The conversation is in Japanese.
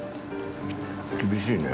厳しいね。